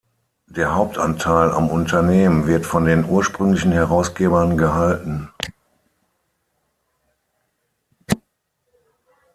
Der Hauptanteil am Unternehmen wird von den ursprünglichen Herausgebern gehalten.